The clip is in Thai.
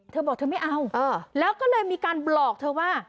เธอบอกเธอไม่เอาแล้วก็เลยมีการบอกเธอว่า